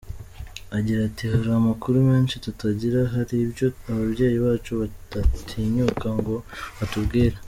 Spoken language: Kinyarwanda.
Agira ati “Hari amakuru menshi tutagira hari ibyo ababyeyi bacu badatinyuka ngo batubwire.